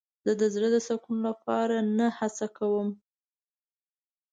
زه د زړه د سکون لپاره نه هڅه کوم.